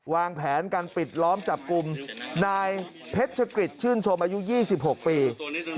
วางแผนการปิดล้อมจับกลุ่มนายเพชรกฤษชื่นชมอายุ๒๖ปี